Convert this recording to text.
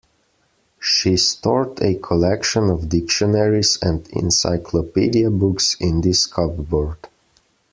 She stored a collection of dictionaries and encyclopedia books in this cupboard.